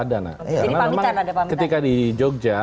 jadi pamitan ada pamitan karena memang ketika di jogja